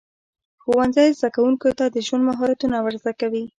ښوونځی زده کوونکو ته د ژوند مهارتونه ورزده کوي.